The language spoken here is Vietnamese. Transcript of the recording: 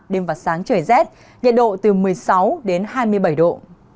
đêm và sáng trời rét nhiệt độ từ một mươi sáu đến hai mươi bảy độ